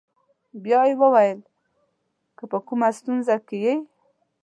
بیا یې وویل: که په کومه ستونزه کې یې.